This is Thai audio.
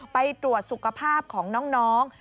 ไปตรวจสุขภาพของน้อง